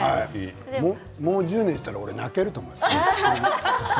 もう１０年したら泣けると思います、俺。